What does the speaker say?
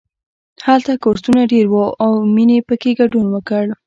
هلته کورسونه ډېر وو او مینې پکې ګډون وکړ